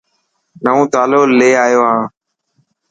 نئو تالو لي آيو هان.